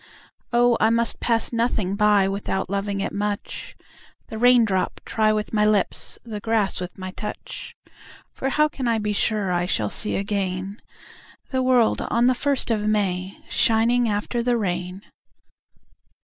Oh I must pass nothing by Without loving it much, The raindrop try with my lips, The grass with my touch; For how can I be sure I shall see again The world on the first of May Shining after the rain?